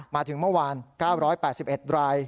มาถึงเมื่อวาน๙๘๑ราย